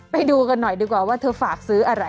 ไปดูกันหน่อยดีกว่าว่าเธอฝากซื้ออะไร